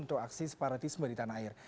untuk aksi separatisme di tanah air